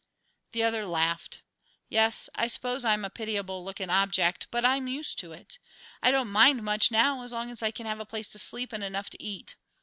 The other laughed. "Yes; I suppose I'm a pitiable looking object, but I'm used to it. I don't mind much now as long as I can have a place to sleep and enough to eat.